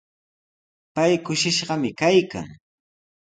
Pay kushishqami kaykan.